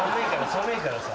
寒いからさ。